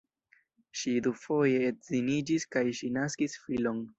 Ŝi dufoje edziniĝis kaj ŝi naskis filon.